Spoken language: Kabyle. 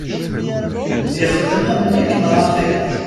Yexdem am nekk neɣ axir!